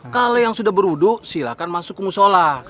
kalau yang sudah beruduk silahkan masuk ke musola